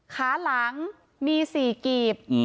ขาหลังมี๔กีบ